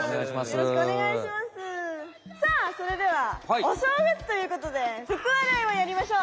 さあそれではおしょうがつということでふくわらいをやりましょう！